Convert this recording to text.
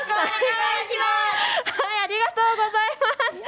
ありがとうございます。